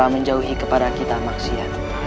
menjauhi kepada kita maksiat